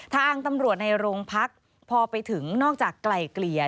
ทางตำรวจในโรงพักพอไปถึงนอกจากไกลเกลี่ย